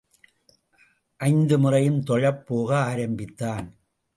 ஐந்து முறையும் தொழப் போக ஆரம்பித்தான்.